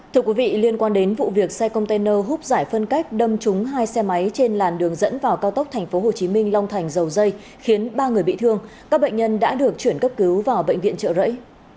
thưa quý vị liên quan đến vụ việc xe container hút giải phân cách đâm trúng hai xe máy trên làn đường dẫn vào cao tốc tp hcm long thành dầu dây khiến ba người bị thương các bệnh nhân đã được chuyển cấp cứu vào bệnh viện trợ rẫy